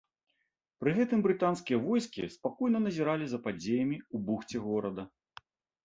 Пры гэтым брытанскія войскі спакойна назіралі за падзеямі ў бухце горада.